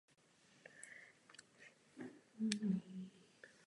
Podání žádosti o členství musí schválit obecní rada.